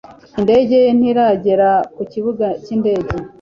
Indege ye ntiragera ku kibuga cyindege.